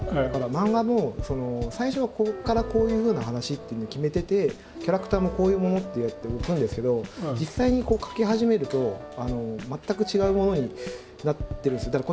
だから漫画も最初はここからこういうふうな話っていうふうに決めててキャラクターもこういうものってやって置くんですけど実際に描き始めると全く違うものになってるんです。